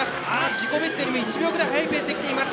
自己ベストよりも１秒ぐらい速いペースできています。